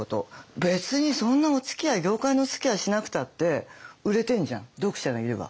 別にそんなおつきあい業界のおつきあいしなくたって売れてんじゃん読者がいれば。